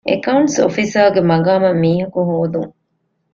އެކައުންޓްސް އޮފިސަރގެ މަގާމަށް މީހަކު ހޯދުން